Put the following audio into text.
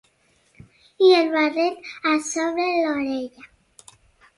...i el barret a sobre l'orella